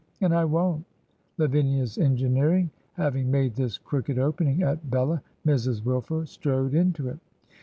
And I won't I' Lavinia's engineering having made this crooked opening at Bella, Mrs. Wilf er strode into it.